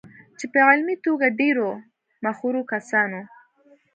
چې په علمي توګه ډېرو مخورو کسانو